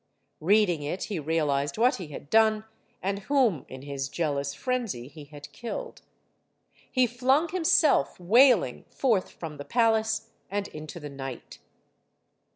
Reading it, he realized what he had done, and whom, in his jealous frenzy, he had killed. He flung himself, wailing, forth from the palace and into the night.